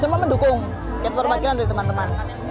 semua mendukung ketua pemakilan dari teman teman